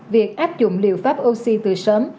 việc áp dụng liều pháp oxy từ sớm